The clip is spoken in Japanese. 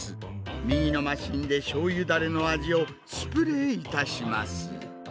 右のマシンでしょうゆダレの味をスプレーいたします。